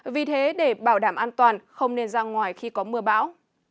vì thế để bảo đảm an toàn không nên ra ngoài khi có mưa bão